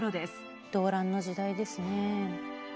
動乱の時代ですね。